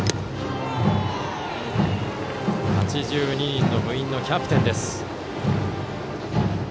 ８２人の部員のキャプテンです。